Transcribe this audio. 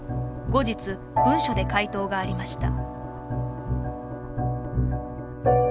後日、文書で回答がありました。